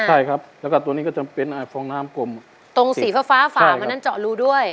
ใช่ครับแล้วก็ตัวนี้ก็จะเป็นอ่าฟองน้ำกลมตรงสีฟ้าฟ้าฝ่ามานั้นเจาะรูด้วย